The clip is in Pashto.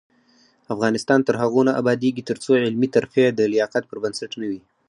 افغانستان تر هغو نه ابادیږي، ترڅو علمي ترفیع د لیاقت پر بنسټ نه وي.